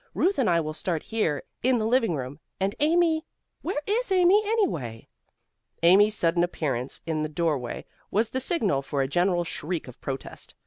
Ruth and I will start here in the living room, and Amy where is Amy, anyway?" Amy's sudden appearance in the doorway was the signal for a general shriek of protest.